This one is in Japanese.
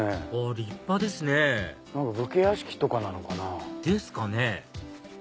立派ですね武家屋敷とかなのかな。ですかね